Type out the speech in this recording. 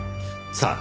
さあ？